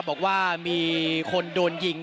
ไม่ทราบว่าตอนนี้มีการถูกยิงด้วยหรือเปล่านะครับ